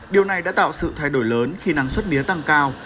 điều này đã tạo sự thay đổi lớn khi năng suất mía tăng cao